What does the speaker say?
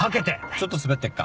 ちょっとスベってっか。